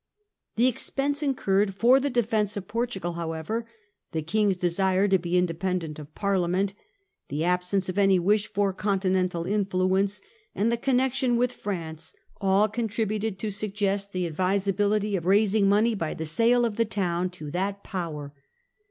The expense incurred for the defence of Portugal, however, the king's desire to be independent of Parliament, the absence of any wish for continental influence, and the connection with France, all contributed to suggest the advisability of 104 Relations of England with Continent. 1662. raising money by the sale of the town to that power.